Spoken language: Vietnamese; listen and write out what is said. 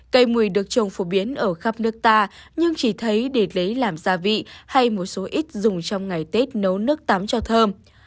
cây mùi được trồng phổ biến ở khắp nước ta nhưng chỉ thấy để lấy làm gia vị hay một số ít dùng trong ngày tết nấu nước tắm cho thơm